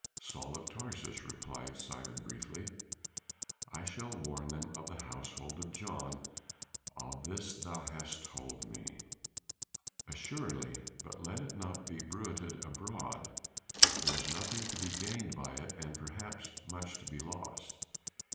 "Saul of Tarsus," replied Simon, briefly. "I shall warn them of the household of John of this thou hast told me?" "Assuredly, but let it not be bruited abroad; there is nothing to be gained by it, and perhaps much to be lost.